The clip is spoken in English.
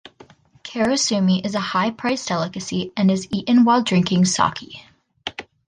Karasumi is a high priced delicacy and it is eaten while drinking sake.